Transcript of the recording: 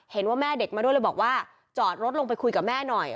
เห็นว่าแม่เด็กมาด้วยเลยบอกว่าจอดรถลงไปคุยกับแม่หน่อย